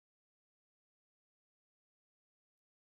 د افغانستان د شاته پاتې والي یو ستر عامل سیاسي کړکېچ دی.